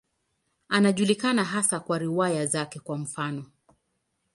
Anajulikana hasa kwa riwaya zake, kwa mfano.